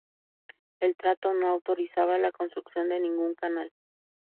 El tratado no autorizaba la construcción de ningún canal.